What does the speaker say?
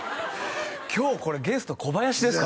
今日これゲスト小林ですか？